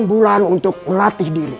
bulan untuk melatih diri